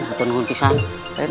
kami berdua sudah menyelamatkan